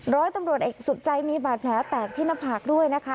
ร้อยตำรวจเอกสุดใจมีบาดแผลแตกที่หน้าผากด้วยนะคะ